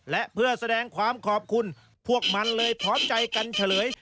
และเพื่อแสดงความขอบคุณพวกมันเลยพร้อมใจกันเฉลย